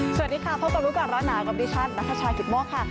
สวัสดีค่ะพบกับรู้ก่อนร้อนหนาวกับดิฉันนัทชายกิตโมกค่ะ